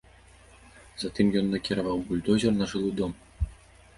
Затым ён накіраваў бульдозер на жылы дом.